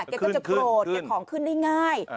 แกก็จะโปรดแกของขึ้นได้ง่าย